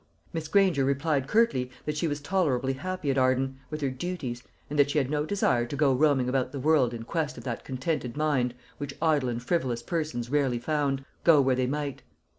Miss Granger replied curtly, that she was tolerably happy at Arden, with her "duties," and that she had no desire to go roaming about the world in quest of that contented mind which idle and frivolous persons rarely found, go where they might.